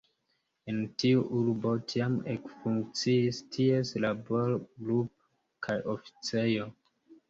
En tiu urbo tiam ekfunkciis ties laborgrupo kaj oficejo.